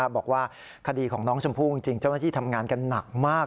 บอกว่าคดีของน้องชมพู่จริงเจ้าหน้าที่ทำงานกันหนักมาก